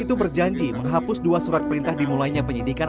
itu berjanji menghapus dua surat perintah dimulainya penyidikan